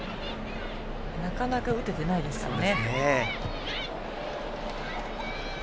なかなか打ててないですからね。